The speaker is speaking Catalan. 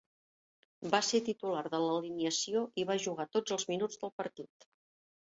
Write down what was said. Va ser titular de l'alineació i va jugar tots els minuts del partit.